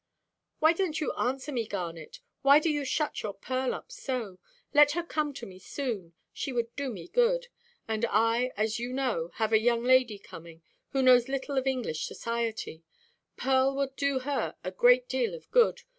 "Why donʼt you answer me, Garnet? Why do you shut your Pearl up so? Let her come to me soon; she would do me good; and I, as you know, have a young lady coming, who knows little of English society. Pearl would do her a great deal of good.